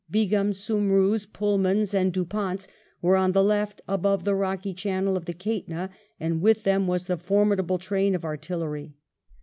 Begum Sumroo's, Pohlman's, and Dupont's, were on the left above the rocky channel of the Kaitna^ and with them was the formidable train of artillery.